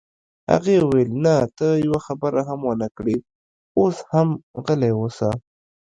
هغې وویل: نه، ته یوه خبره هم ونه کړې، اوس هم غلی اوسه.